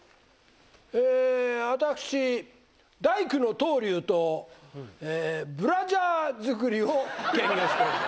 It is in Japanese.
え私大工の棟梁とブラジャー作りを兼業しております。